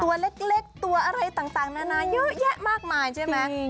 ตัวเล็กตัวอะไรต่างนานาเยอะแยะมากมายใช่ไหม